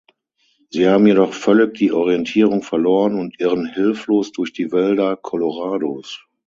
Sie haben jedoch völlig die Orientierung verloren und irren hilflos durch die Wälder Colorados.